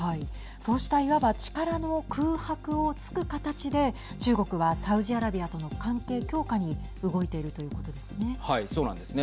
そうしたいわば力の空白を突く形で中国はサウジアラビアとの関係強化に動いているということですね。